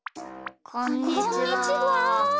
こんにちは。